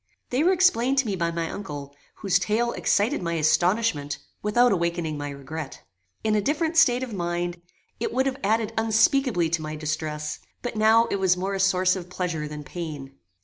They were explained to me by my uncle, whose tale excited my astonishment without awakening my regret. In a different state of mind, it would have added unspeakably to my distress, but now it was more a source of pleasure than pain.